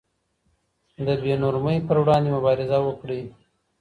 د بې نورمۍ پر وړاندې مبارزه وکړئ.